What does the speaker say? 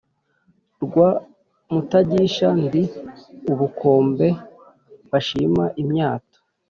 Rwa Mutagisha ndi ubukombe bashima imyato.